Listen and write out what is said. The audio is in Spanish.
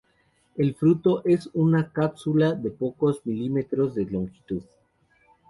El fruto es una cápsula de unos pocos milímetros de longitud.